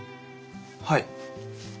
はい。